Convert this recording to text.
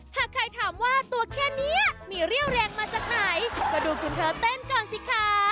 หากใครถามว่าตัวแค่นี้มีเรี่ยวแรงมาจากไหนก็ดูคุณเธอเต้นก่อนสิคะ